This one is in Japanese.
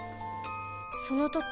その時